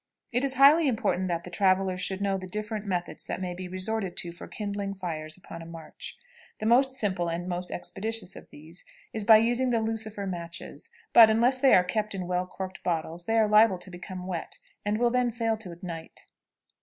It is highly important that travelers should know the different methods that may be resorted to for kindling fires upon a march. The most simple and most expeditious of these is by using the lucifer matches; but, unless they are kept in well corked bottles, they are liable to become wet, and will then fail to ignite.